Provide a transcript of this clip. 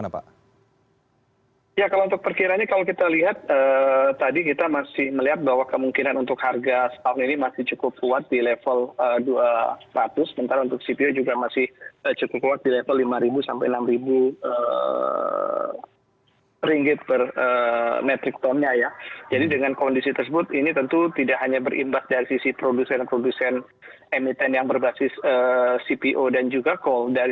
perkiraannya bagaimana pak